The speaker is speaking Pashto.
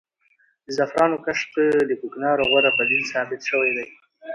د زعفرانو کښت د کوکنارو غوره بدیل ثابت شوی دی.